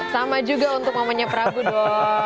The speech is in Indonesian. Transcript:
sama juga untuk mamanya prabu dong